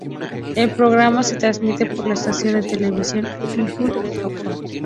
El programa se transmite por la estación de televisión Fuji de Japón.